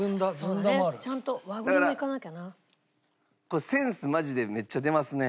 だからこれセンスマジでめっちゃ出ますね。